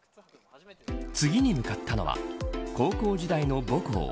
次に向かったのは高校時代の母校。